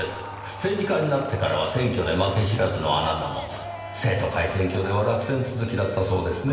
政治家になってからは選挙で負け知らずのあなたも生徒会選挙では落選続きだったそうですね？